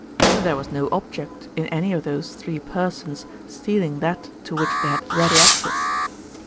"There was no object in any of those three persons stealing that to which they had ready access."